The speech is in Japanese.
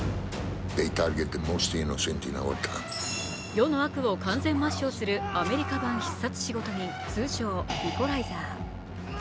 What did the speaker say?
世の悪を完全抹消するアメリカ版「必殺仕事人」通称・イコライザー。